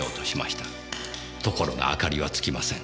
ところが明かりは点きません。